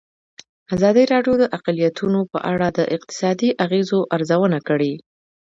ازادي راډیو د اقلیتونه په اړه د اقتصادي اغېزو ارزونه کړې.